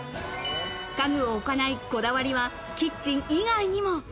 家具を置かないこだわりはキッチン以外にも。